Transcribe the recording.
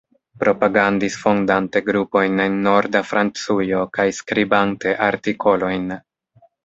Propagandis fondante grupojn en Norda Francujo kaj skribante artikolojn.